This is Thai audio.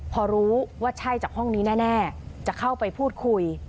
พอรู้ว่าใช่จากห้องนี้แน่จะเข้าไปพูดคุย